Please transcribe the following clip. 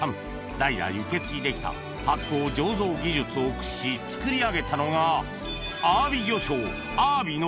代々受け継いできた発酵醸造技術を駆使しつくり上げたのがアワビ魚醤